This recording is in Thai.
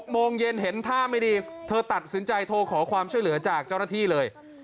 โมงเย็นเห็นท่าไม่ดีเธอตัดสินใจโทรขอความช่วยเหลือจากเจ้าหน้าที่เลย